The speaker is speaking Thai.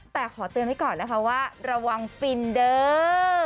แต่ขอเตือนไว้ก่อนนะคะว่าระวังฟินเด้อ